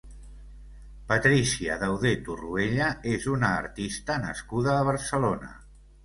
Patrícia Dauder Torruella és una artista nascuda a Barcelona.